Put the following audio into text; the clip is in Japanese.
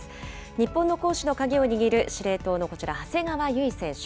日本の攻守の鍵を握る司令塔のこちら、長谷川唯選手。